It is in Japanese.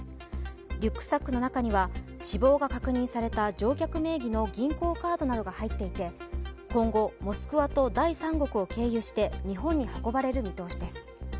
リュックサックの中には死亡が確認された乗客名義の銀行カードなどが入っていて今後、モスクワと第三国を経由して日本に運ばれる見通しです。